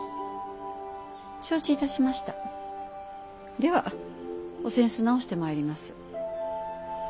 ではお扇子直してまいります。